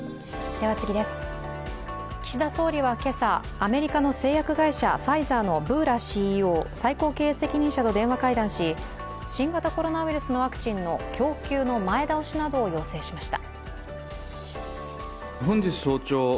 岸田総理は今朝、アメリカの製薬会社、ブーラＣＥＯ＝最高経営責任者と電話会談し、新型コロナウイルスのワクチンの供給の前倒しなどを要請しました。